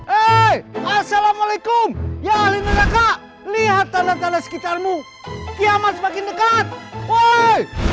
eh assalamualaikum ya allah lihat tanda tanda sekitarmu kiamat semakin dekat woi